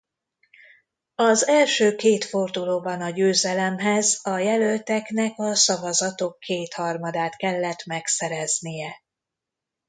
Az első két fordulóban a győzelemhez a jelölteknek a szavazatok kétharmadát kellett megszereznie.